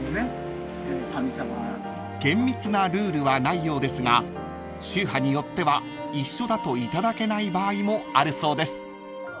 ［厳密なルールはないようですが宗派によっては一緒だと頂けない場合もあるそうです］